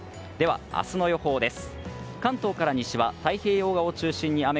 明日の予報です。